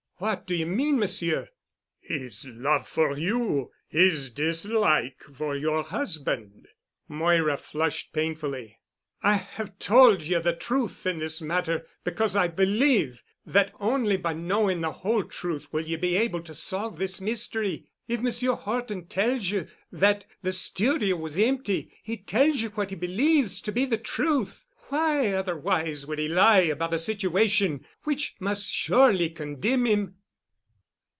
"What do you mean, Monsieur?" "His love for you—his dislike for your husband——" Moira flushed painfully. "I have told you the truth of this matter because I believe that only by knowing the whole truth will you be able to solve this mystery. If Monsieur Horton tells you that the studio was empty, he tells you what he believes to be the truth. Why, otherwise, would he lie about a situation which must surely condemn him?"